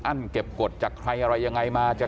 แต่ว่าวินนิสัยดุเสียงดังอะไรเป็นเรื่องปกติอยู่แล้วครับ